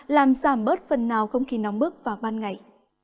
làm giảm bớt phần nào không khí nóng bước vào ban ngày